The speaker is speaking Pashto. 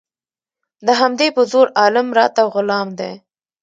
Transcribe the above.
د همدې په زور عالم راته غلام دی